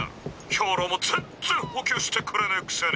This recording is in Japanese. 兵糧も全然補給してくれねえくせに。